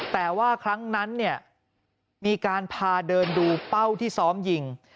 แต่ว่าครั้งนั้นเนี่ยมีการพาเดินดูเป้าที่ซ้อมยิง